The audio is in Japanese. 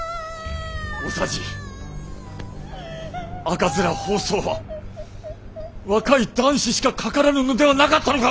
赤面疱瘡は若い男子しかかからぬのではなかったのか！